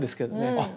あっ